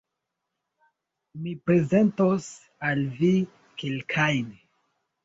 Mi prezentos al vi kelkajn.